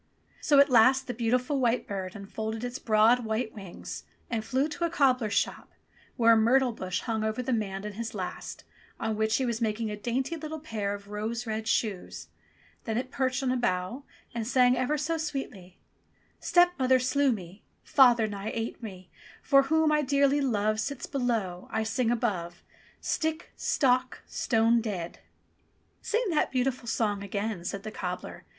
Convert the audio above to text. So at last the beautiful white bird unfolded its broad white wings and flew to a cobbler's shop where a myrtle bush hung over the man and his last, on which he was mak ing a dainty little pair of rose red shoes. Then it perched on a bough and sang ever so sweetly : "Stepmother slew me, Father nigh ate me, He whom I dearly love Sits below, I sing above. Stick! Stock! Stone dead !" "Sing that beautiful song again," said the cobbler.